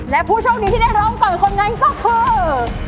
และผู้โชคดีที่ได้ร้องก่อนคนนั้นก็คือ